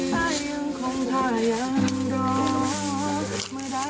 เดี๋ยวนี้เขาสู้ใส่ตาแล้วว่าไม่กล้ามอง